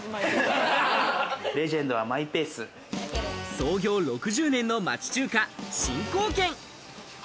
創業６０年の町中華・新興軒。